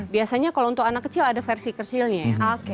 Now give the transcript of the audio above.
biasanya kalau untuk anak kecil ada versi kecilnya ya